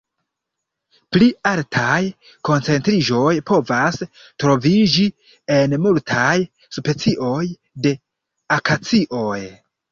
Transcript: Pli altaj koncentriĝoj povas troviĝi en multaj specioj de akacioj.